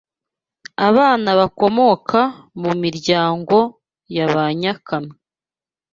abana bakomoka mu miryango ya ba nyakamwe